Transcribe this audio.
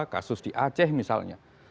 kasus di aceh misalnya